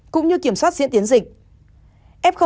cũng như kiểm soát diễn tiến dịch